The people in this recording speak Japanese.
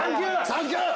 サンキュー！